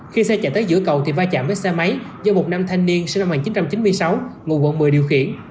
khi xe chạy tới giữa cầu thì va chạm với xe máy do một nam thanh niên sinh năm một nghìn chín trăm chín mươi sáu ngụ quận một mươi điều khiển